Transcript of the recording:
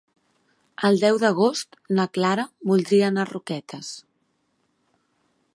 El deu d'agost na Clara voldria anar a Roquetes.